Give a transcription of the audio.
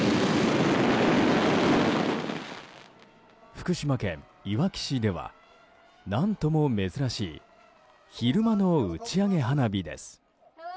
福島県いわき市では何とも珍しい昼間の打ち上げ花火です。